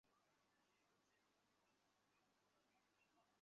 আমিও তাই বলছি।